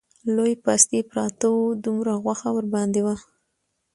لوی پاستي پراته وو، دومره غوښه ورباندې وه